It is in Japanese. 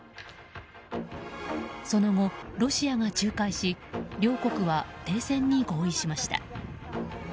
その後、ロシアが仲介し両国は停戦に合意しました。